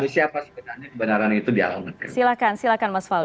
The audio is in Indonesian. silakan silakan mas faldul